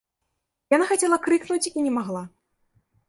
Яна хацела крыкнуць і не магла.